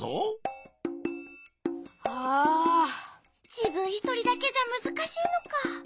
じぶんひとりだけじゃむずかしいのか。